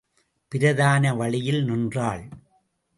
பிரதான வழியில் நின்றாள்.